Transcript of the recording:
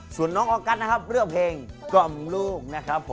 ส่วนน้องออกัสนะครับเลือกเพลงกล่อมลูกนะครับผม